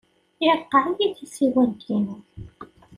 Ireqqeɛ-iyi tasiwant-inu.